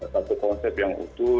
satu konsep yang utuh